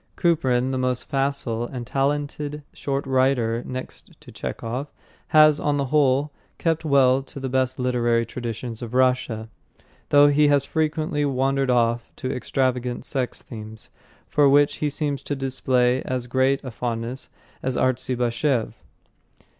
Kuprin, the most facile and talented short story writer next to Chekhov, has, on the whole, kept well to the best literary traditions of Russia, though he has frequently wandered off to extravagant sex themes, for which he seems to display as great a fondness as Artzybashev.